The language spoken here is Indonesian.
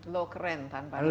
lu keren tanpa narkoba